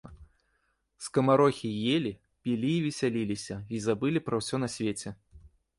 Скамарохі елі, пілі і весяліліся і забылі пра ўсё на свеце.